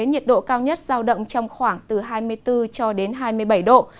nhiệt độ cao nhất giao động trong khoảng từ hai mươi bốn cho đến hai mươi bảy độ